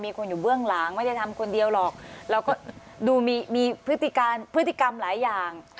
คนอยู่เบื้องหลังไม่ได้ทำคนเดียวหรอกเราก็ดูมีพฤติการพฤติกรรมหลายอย่าง